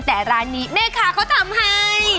แต่ร้านนี้แม่ค้าเขาทำให้